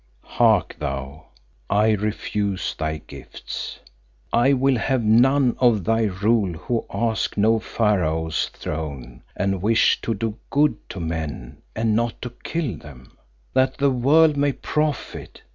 "Hark thou. I refuse thy gifts; I will have none of thy rule who ask no Pharaoh's throne and wish to do good to men and not to kill them that the world may profit.